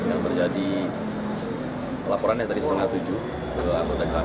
yang terjadi laporannya dari setengah tujuh